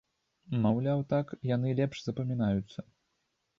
Маўляў, так яны лепш запамінаюцца.